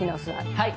はい！